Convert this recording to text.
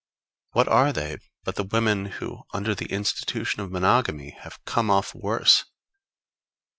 What are they but the women, who, under the institution of monogamy have come off worse?